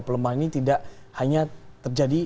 pelemahan ini tidak hanya terjadi